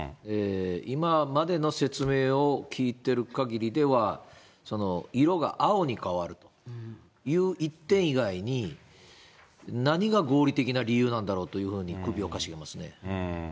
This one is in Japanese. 今までの説明を聞いているかぎりでは、色が青に変わるという一点以外に、何が合理的な理由なんだろうというふうに首をかしげます